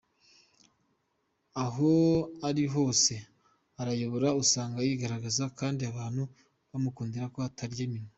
Aho ari hose arayobora, usanga yigaragaraza kandi abantu bamukundira ko atarya iminwa.